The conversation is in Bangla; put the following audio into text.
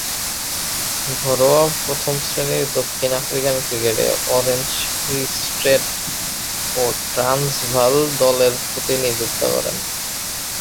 ঘরোয়া প্রথম-শ্রেণীর দক্ষিণ আফ্রিকান ক্রিকেটে অরেঞ্জ ফ্রি স্টেট ও ট্রান্সভাল দলের প্রতিনিধিত্ব করেন।